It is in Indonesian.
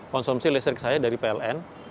konsumsi listrik saya dari pln